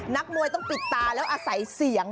นักมวยต้องปิดตาแล้วอาศัยเสียง